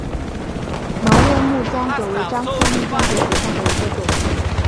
毛叶木姜子为樟科木姜子属下的一个种。